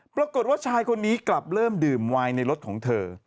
ปรากฏว่าชายคนนี้กลับเริ่มดื่มวายในรถของเธอ